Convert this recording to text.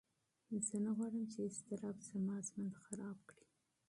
زه نه غواړم چې اضطراب زما ژوند خراب کړي.